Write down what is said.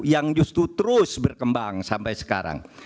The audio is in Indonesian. yang justru terus berkembang sampai sekarang